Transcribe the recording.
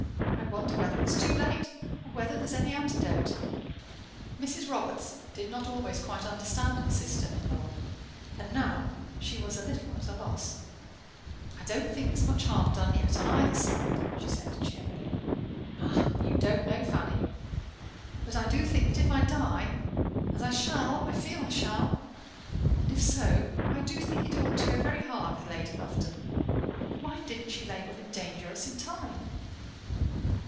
I wonder whether it's too late, or whether there's any antidote?" Mrs. Robarts did not always quite understand her sister in law, and now she was a little at a loss. "I don't think there's much harm done yet on either side," she said, cheerily. "Ah! you don't know, Fanny. But I do think that if I die as I shall I feel I shall; and if so, I do think it ought to go very hard with Lady Lufton. Why didn't she label him 'dangerous' in time?"